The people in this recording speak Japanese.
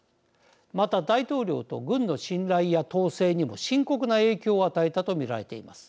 また、大統領と軍の信頼や統制にも深刻な影響を与えたと見られています。